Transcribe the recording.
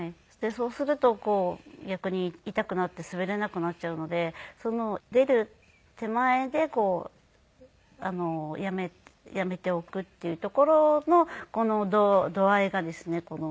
そうするとこう逆に痛くなって滑れなくなっちゃうので出る手前でやめておくっていうところのこの度合いがですね。